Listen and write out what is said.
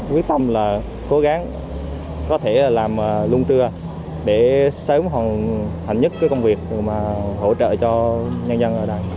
quyết tâm là cố gắng có thể làm luôn trưa để sớm hoàn thành nhất cái công việc mà hỗ trợ cho nhân dân ở đây